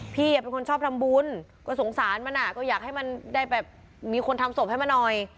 พี่เป็นคนชอบทำบุญก็สงสารมันก็อยากให้มันได้แบบมีคนทำศพให้มันหน่อย